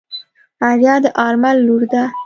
آريا د آرمل لور ده.